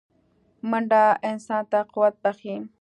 منډه انسان ته قوت بښي